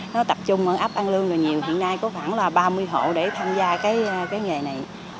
nó tập trung ở ấp ăn lương nhiều hiện nay có khoảng ba mươi hộ để tham gia cái nghề này